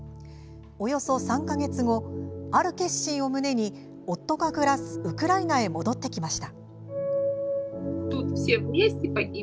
およそ３か月後、ある決心を胸に夫が暮らすウクライナへ戻ってきました。